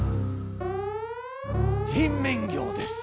人面魚です。